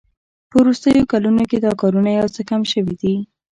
په وروستیو کلونو کې دا کارونه یو څه کم شوي دي